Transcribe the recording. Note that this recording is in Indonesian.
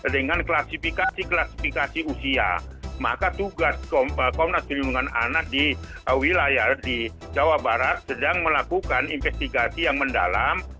dengan klasifikasi klasifikasi usia maka tugas komnas perlindungan anak di wilayah di jawa barat sedang melakukan investigasi yang mendalam